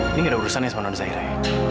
ini gak ada urusan sama nonzairah ya